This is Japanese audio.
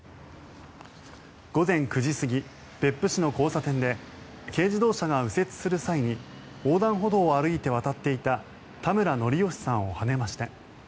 午前９時過ぎ、別府市の交差点で軽自動車が右折する際に横断歩道を歩いて渡っていた田村憲美さんをはねました。